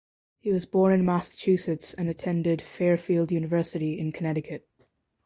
He was born in Massachusetts and attended Fairfield University in Connecticut.